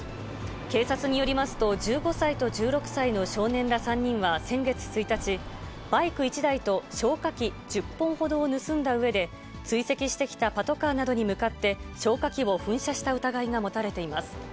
警察によりますと、１５歳と１６歳の少年ら３人は先月１日、バイク１台と消火器１０本ほどを盗んだうえで、追跡してきたパトカーなどに向かって、消火器を噴射した疑いが持たれています。